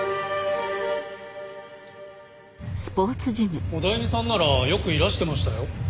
オダエミさんならよくいらしてましたよ。